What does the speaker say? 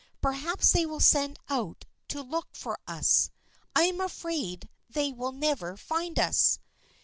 Perhaps they will send out to look for us. I am afraid they will never find us."